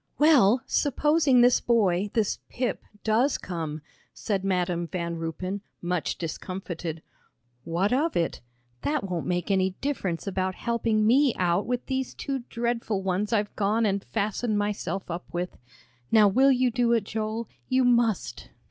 "Well, supposing this boy, this Pip, does come," said Madam Van Ruypen, much discomfited, "what of it? That won't make any difference about helping me out with these two dreadful ones I've gone and fastened myself up with. Now will you do it, Joel? You must."